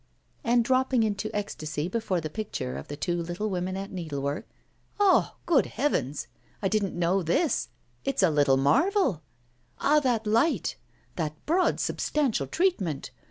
And, dropping into ecstasy before the picture of the two little women at needlework: 'Ah! Good heavens, I didn't know this, it's a little marvel! Ah! that light, that broad substantial treatment!